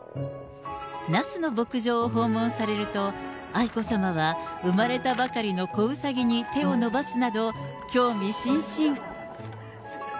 那須の牧場を訪問されると、愛子さまは生まれたばかりの子ウサギに手を伸ばすなど、興味津々。